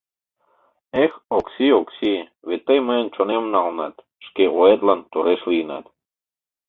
Эх, Окси, Окси, вет тый мыйын чонемым налынат, шке оетлан тореш лийынат...